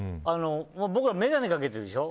僕は眼鏡かけてるでしょ。